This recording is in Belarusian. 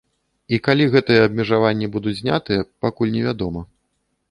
І калі гэтыя абмежаванні будуць знятыя, пакуль не вядома.